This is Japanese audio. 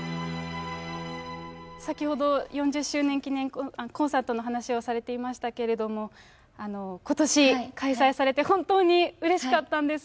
先ほど、４０周年記念コンサートの話をされていましたけれども、ことし開催されて、本当にうれしかったんです。